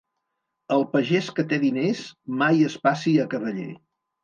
El pagès que té diners mai es passi a cavaller.